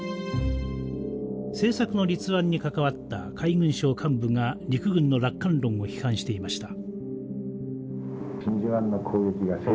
政策の立案に関わった海軍省幹部が陸軍の楽観論を批判していました。